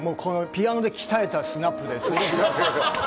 ピアノで鍛えたスナップで。